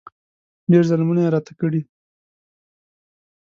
ډېر ظلمونه یې راته کړي.